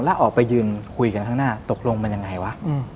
แล้วออกไปยืนคุยกันข้างหน้าตกลงมันยังไงวะ